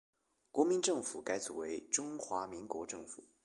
国民政府改组为中华民国政府。